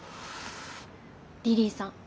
リリィさん